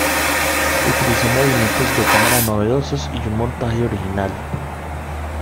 Utilizó movimientos de cámara novedosos y un montaje original.